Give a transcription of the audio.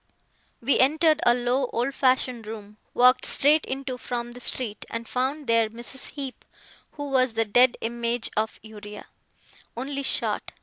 We entered a low, old fashioned room, walked straight into from the street, and found there Mrs. Heep, who was the dead image of Uriah, only short.